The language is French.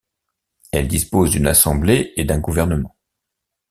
Elle dispose d'une Assemblée et d'un gouvernement.